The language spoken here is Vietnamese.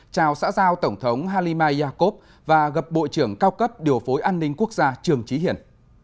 chào xã giao tổng thống halimayakov và gặp bộ trưởng cao cấp điều phối an ninh quốc gia trường trí hiển